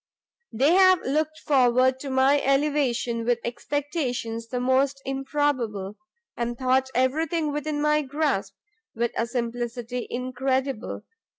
They have looked forward to my elevation with expectations the most improbable, and thought everything within my grasp, with a simplicity incredible.